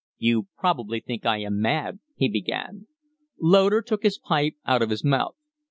"You probably think I am mad " he began. Loder took his pipe out of his mouth.